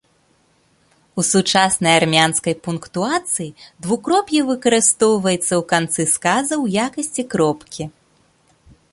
У сучаснай армянскай пунктуацыі двукроп'е выкарыстоўваецца ў канцы сказа ў якасці кропкі.